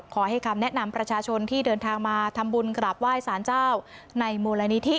ขอให้คำแนะนำประชาชนที่เดินทางมาทำบุญกราบไหว้สารเจ้าในมูลนิธิ